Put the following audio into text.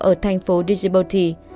ở thành phố dijibouti